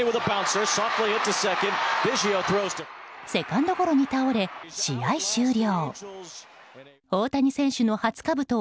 セカンドゴロに倒れ、試合終了。